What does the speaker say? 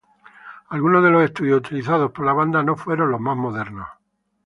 Algunos de los estudios utilizados por la banda no fueron de los más modernos.